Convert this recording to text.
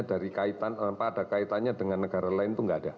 dari kaitan tanpa ada kaitannya dengan negara lain itu nggak ada